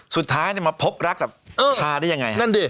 สุดท้ายมาพบรักกับชาได้ยังไง